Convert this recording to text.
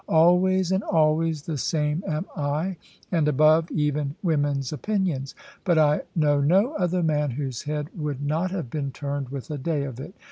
Always and always the same am I, and above even women's opinions. But I know no other man whose head would not have been turned with a day of it.